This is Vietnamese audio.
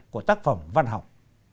của tác phẩm văn học